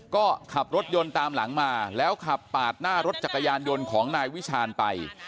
ก็ขับรถยนต์ตามหลังมาแล้วขับปาดหน้ารถจักรยานยนต์ของนายวิชาญไป